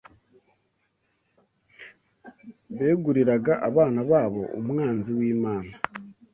beguriraga abana babo umwanzi w’Imana